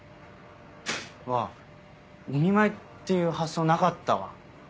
うわお見舞いっていう発想なかったわ。